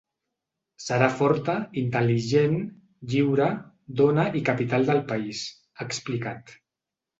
Serà forta, intel·ligent, lliure, dona i capital del país, ha explicat.